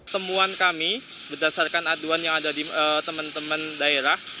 temuan kami berdasarkan aduan yang ada di teman teman daerah